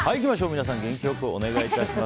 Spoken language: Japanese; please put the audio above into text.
皆さん、元気良くお願いします。